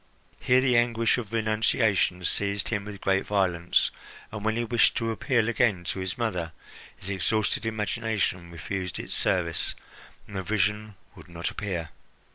Here the anguish of renunciation seized him with great violence, and when he wished to appeal again to his mother his exhausted imagination refused its service, and the vision would not appear.